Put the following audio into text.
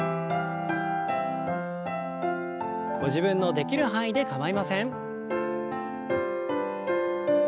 ご自分のできる範囲で構いません。